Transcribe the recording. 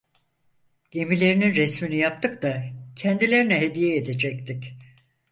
Gemilerinin resmini yaptık da, kendilerine hediye edecektik!